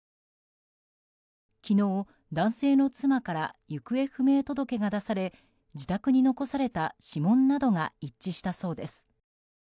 昨日、男性の妻から行方不明届が出され自宅に残された指紋などが一致したそうです。